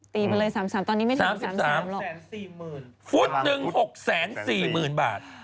ตีมันเลย๓๓ตอนนี้ไม่ถึง๓๓หรอกฟุตหนึ่ง๖๔๐๐๐๐บาท